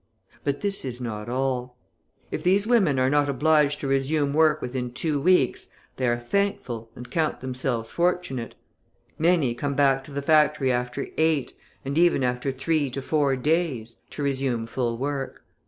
But this is not all. If these women are not obliged to resume work within two weeks, they are thankful, and count themselves fortunate. Many come back to the factory after eight, and even after three to four days, to resume full work.